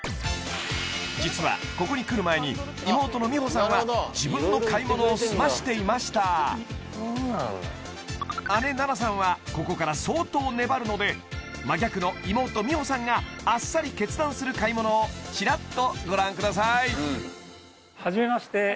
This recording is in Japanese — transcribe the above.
実はここに来る前に妹の美帆さんは自分の買い物を済ましていました姉・菜那さんはここから相当粘るので真逆の妹・美帆さんがあっさり決断する買い物をチラッとご覧ください